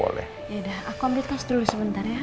yaudah aku ambil tos dulu sebentar ya